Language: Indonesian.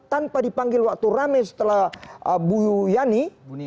tanpa dipanggil waktu rame setelah bu yuyani